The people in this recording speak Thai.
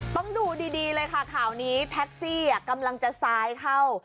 ต้องดูดีเลยค่ะข่าวนี้แท็กซี่กำลังจะซ้ายเข้า